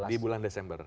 di bulan desember